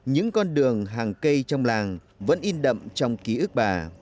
thường hàng cây trong làng vẫn in đậm trong ký ức bà